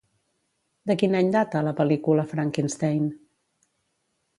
De quin any data la pel·lícula Frankenstein?